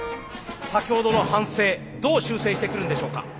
先ほどの反省どう修正してくるんでしょうか。